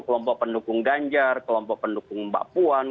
kelompok pendukung ganjar kelompok pendukung mbak puan